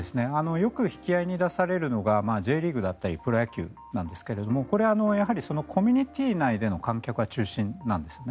よく引き合いに出されるのがＪリーグだったりプロ野球なんですけどこれはコミュニティー内での観客が中心なんですね。